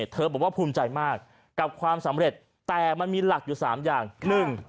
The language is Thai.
เธอบอกว่าภูมิใจมากกับความสำเร็จแต่มันมีหลักอยู่๓อย่าง